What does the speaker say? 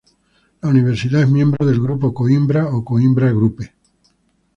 La universidad es miembro del grupo Coimbra o Coimbra-Gruppe.